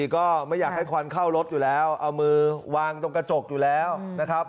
ก็ไม่อยากให้ควันเข้ารถอยู่แล้วเอามือวางตรงกระจกอยู่แล้วนะครับ